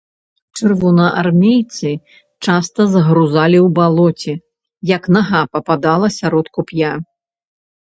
Чырвонаармейцы часта загрузалі ў балоце, як нага пападала сярод куп'я.